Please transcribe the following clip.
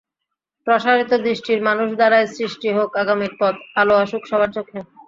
প্রসারিত দৃষ্টির মানুষ দ্বারাই সৃষ্টি হোক আগামীর পথ, আলো আসুক সবার চোখে।